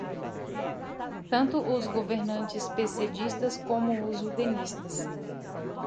tanto os governantes pessedistas como os udenistas